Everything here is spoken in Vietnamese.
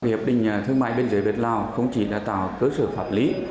hiệp định thương mại bên dưới việt lào không chỉ là tạo cơ sở pháp lý